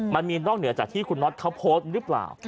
มันมีนอกเหนือจากที่คุณน็อตเขาโพสต์หรือเปล่า